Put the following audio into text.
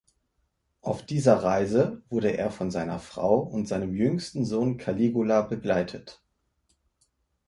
Auf dieser Reise wurde er von seiner Frau und seinem jüngsten Sohn Caligula begleitet.